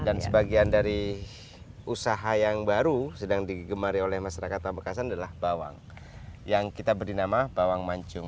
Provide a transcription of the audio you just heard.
dan sebagian dari usaha yang baru sedang digemari oleh masyarakat pembekasan adalah bawang yang kita beri nama bawang mancung